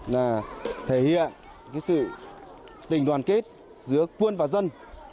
là thể hiện sự tình đoàn kết giữa quân và dân